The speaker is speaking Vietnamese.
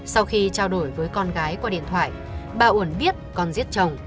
sau khi trao đổi với con gái qua điện thoại bà uẩn biết con giết chồng